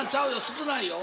少ないよ。